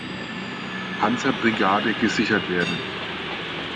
Panzerbrigade" gesichert werden.